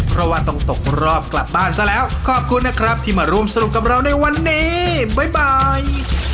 เพราะว่าต้องตกรอบกลับบ้านซะแล้วขอบคุณนะครับที่มาร่วมสนุกกับเราในวันนี้บ๊าย